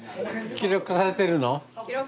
記録されてます。